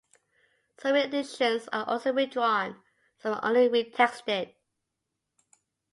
Some re-editions are also redrawn, some are only retexted.